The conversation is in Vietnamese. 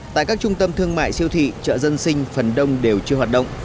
tại các trung tâm thương mại siêu thị chợ dân sinh phần đông đều chưa hoạt động